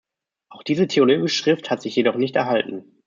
Auch diese theologische Schrift hat sich jedoch nicht erhalten.